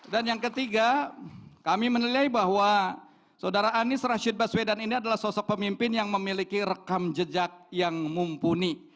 dan yang ketiga kami menilai bahwa saudara anies rashid baswedan ini adalah sosok pemimpin yang memiliki rekam jejak yang mumpuni